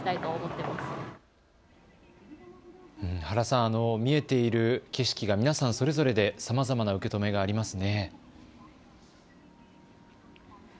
原さん、見えている景色が皆さんそれぞれでさまざまな受け止めがありますね。